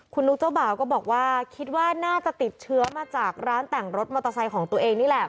คุณนุ๊กเจ้าบ่าวก็บอกว่าคิดว่าน่าจะติดเชื้อมาจากร้านแต่งรถมอเตอร์ไซค์ของตัวเองนี่แหละ